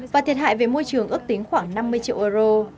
và thiệt hại về môi trường ước tính khoảng năm mươi triệu euro